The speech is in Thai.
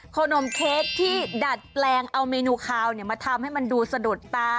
ขนมเค้กที่ดัดแปลงเอาเมนูคาวมาทำให้มันดูสะดุดตา